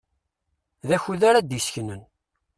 D akud ara d-iseknen.